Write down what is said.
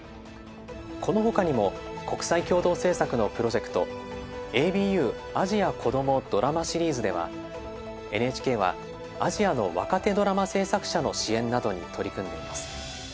この他にも国際共同制作のプロジェクト「ＡＢＵアジアこどもドラマシリーズ」ではＮＨＫはアジアの若手ドラマ制作者の支援などに取り組んでいます。